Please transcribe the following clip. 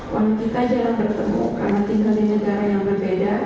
bahwa kita jangan bertemu karena tinggal di negara yang berbeda